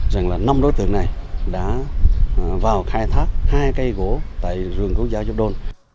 rằng là năm đối tượng này đã vào khai thác hai cây gỗ tại vườn quốc gia jogdon